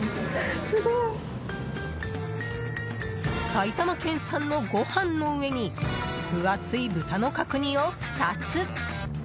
埼玉県産のご飯の上に分厚い豚の角煮を２つ。